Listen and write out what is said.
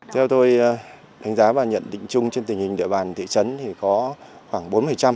theo tôi đánh giá và nhận định chung trên tình hình địa bàn thị trấn thì có khoảng bốn mươi